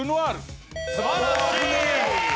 素晴らしい！